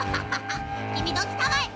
「きみどきたまえ。